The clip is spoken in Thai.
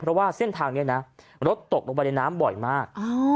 เพราะว่าเส้นทางนี้นะรถตกลงไปในน้ำบ่อยมาก